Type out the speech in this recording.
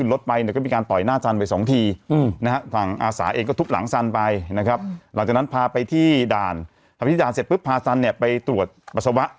หลังจากนั้นพาไปที่ด่านพาแซนไปตรวจปัสสาวะ